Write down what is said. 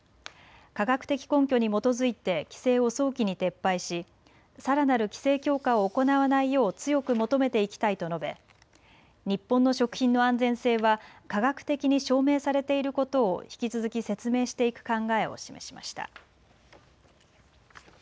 科学的根拠に基づいて規制を早期に撤廃しさらなる規制強化を行わないよう強く求めていきたいと述べ、日本の食品の安全性は科学的に証明されていることを引き続き説明していく考えを示しました。